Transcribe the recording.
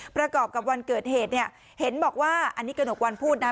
ประกอบกับวันเกิดเหตุเนี่ยเห็นบอกว่าอันนี้กระหนกวันพูดนะ